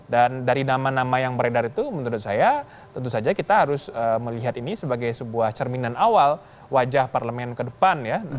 dan dari nama nama yang beredar itu menurut saya tentu saja kita harus melihat ini sebagai sebuah cerminan awal wajah parlemen ke depan ya